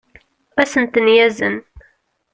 ad as-ten-yazen